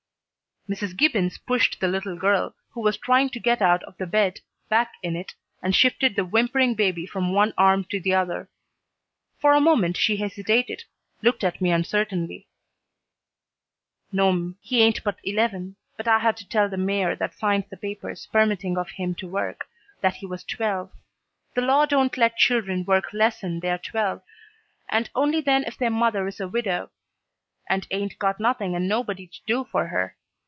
Mrs. Gibbons pushed the little girl, who was trying to get out of the bed, back in it, and shifted the whimpering baby from one arm to the other. For a moment she hesitated, looked at me uncertainly. "No 'm, he ain't but eleven, but I had to tell the mayor that signed the papers permitting of him to work, that he was twelve. The law don't let children work lessen they're twelve, and only then if their mother is a widow and 'ain't got nothing and nobody to do for her.